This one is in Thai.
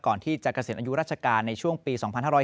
ก่อนที่จะเกษียณอายุราชการในช่วงปี๒๕๕๙